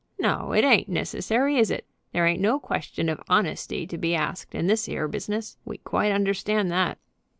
"No; it ain't necessary; is it? There ain't no question of honesty to be asked in this 'ere business. We quite understand that."